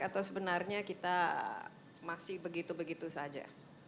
atau sebenarnya kita masih begitu begitu saja